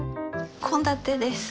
献立です。